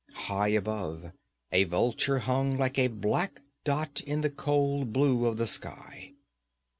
High above, a vulture hung like a black dot in the cold blue of the sky.